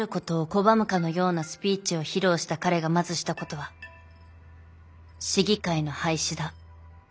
拒むかのようなスピーチを披露した彼がまずしたことは市議会の廃止だ。